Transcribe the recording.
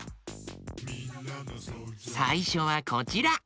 さいしょはこちら。